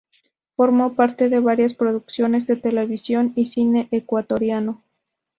Formó parte de varias producciones de televisión y cine ecuatoriano.